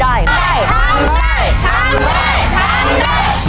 ได้ทั้งแรกทั้งแรกทั้งแรก